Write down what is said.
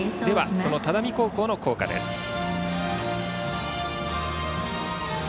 では、その只見高校の校歌です。